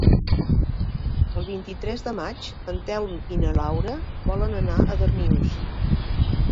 El vint-i-tres de maig en Telm i na Laura volen anar a Darnius.